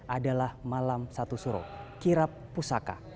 adalah malam satu suro kirab pusaka